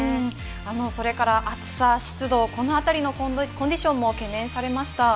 それから暑さ、湿度、コンディションも懸念されました。